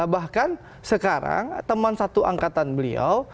bahkan sekarang teman satu angkatan beliau